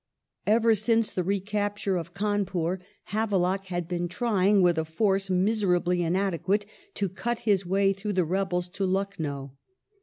Ever since the recapture of Cawnpur, Havelock had been trying, with a force miserably inadequate, to cut his way through the rebels to Lucknow.